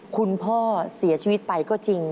คุณพ่อเสียชีวิตไปก็จริง